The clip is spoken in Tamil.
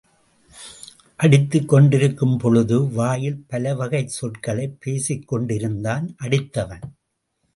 அடித்துக் கொண்டிருக்கும் பொழுதே வாயில் பல வகைச் சொற்களைப் பேசிக் கொண்டிருந்தான் அடித்தவன்.